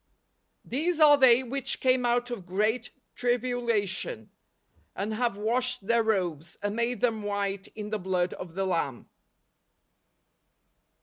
" These are they which came out of great tribu¬ lation, and have washed their robes, and made them white in the blood of the Lamb."